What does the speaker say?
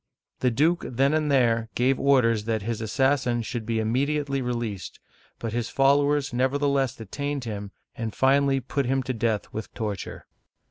The duke then and there gave orders that his assassin should be immediately released, but his followers neverthe less detained him and finally put him to death with torture.